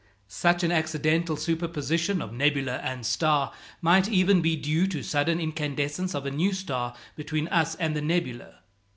Such an accidental superposition of nebula and star might even be due to sudden incandescence of a new star between us and the nebula.